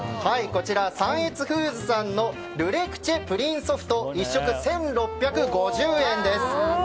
こちらサンエツフーズさんのルレクチェプリンソフト１食１６５０円です。